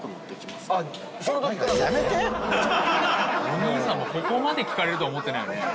お兄さんもここまで聞かれるとは思ってないよね。